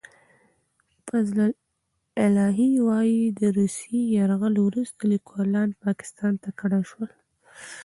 فضل الهي وايي، د روسي یرغل وروسته لیکوالان پاکستان ته کډه شول.